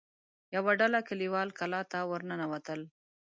يوه ډله کليوال کلا ته ور ننوتل.